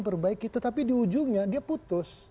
perbaiki tetapi di ujungnya dia putus